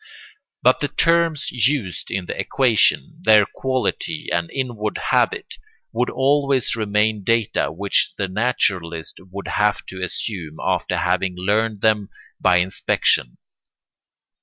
But the terms used in the equation, their quality and inward habit, would always remain data which the naturalist would have to assume after having learned them by inspection.